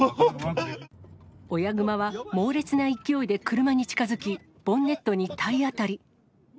親熊は猛烈な勢いで車に近づき、ボンネットに体当たり。